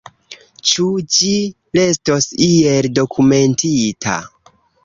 Ĉu ĝi restos iel dokumentita?